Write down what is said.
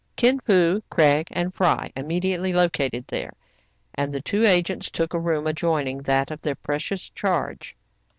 Kin Fo, Craig, and Fry immediately located there ; and the two agents took a room adjoining that of their precious charge.